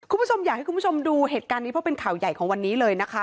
คุณผู้ชมอยากให้คุณผู้ชมดูเหตุการณ์นี้เพราะเป็นข่าวใหญ่ของวันนี้เลยนะคะ